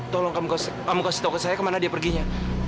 tolong kamu kasih tahu ke saya kemana dia perginya